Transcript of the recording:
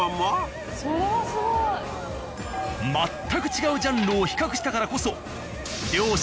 全く違うジャンルを比較したからこそ。